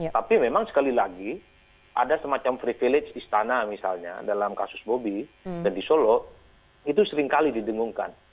tapi memang sekali lagi ada semacam privilege istana misalnya dalam kasus bobi dan di solo itu seringkali didengungkan